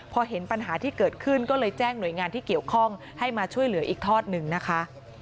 พอเห็นปัญหาที่เกิดขึ้นก็เลยแจ้งหน่วยงานที่เกี่ยวข้องให้มาช่วยเหลืออีกทอดหนึ่งนะคะ